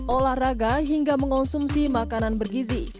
olahraga hingga mengonsumsi makanan bergizi